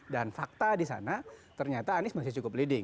dan fakta di sana ternyata anies masih cukup leading